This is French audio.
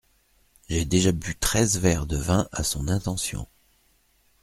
J’ai déjà bu treize verres de vin à son intention.